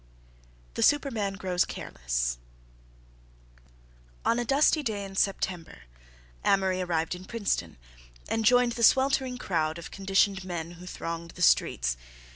THE SUPERMAN GROWS CARELESS On a dusty day in September Amory arrived in Princeton and joined the sweltering crowd of conditioned men who thronged the streets.